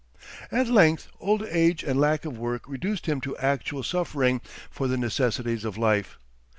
At length, old age and lack of work reduced him to actual suffering for the necessaries of life.